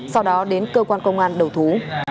sau đó đến cơ quan công an đầu thú